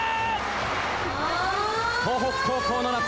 東北高校の夏